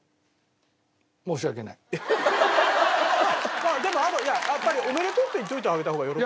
まあでもやっぱり「おめでとう」って言っておいてあげた方が喜ぶよ。